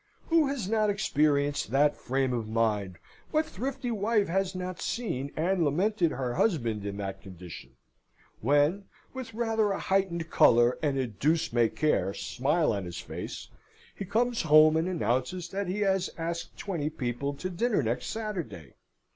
Who has not experienced that frame of mind; what thrifty wife has not seen and lamented her husband in that condition; when, with rather a heightened colour and a deuce may care smile on his face, he comes home and announces that he has asked twenty people to dinner next Saturday?